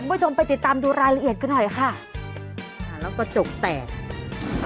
คุณผู้ชมไปติดตามดูรายละเอียดกันหน่อยค่ะอ่าแล้วกระจกแตก